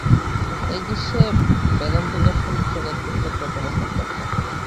এই গ্রীষ্মে বেদান্তদর্শন-বিষয়ক এক পুস্তক রচনার সঙ্কল্প।